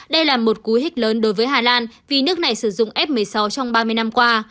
đây là một cú hích lớn đối với hà lan vì nước này sử dụng f một mươi sáu trong ba mươi năm qua